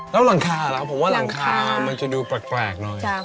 แล้วหลังคาอะไรครับผมว่าหลังคามันจะดูแปลกหน่อยเจ้า